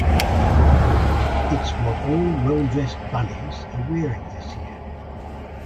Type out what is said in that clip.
It's what all well-dressed bunnies are wearing this year.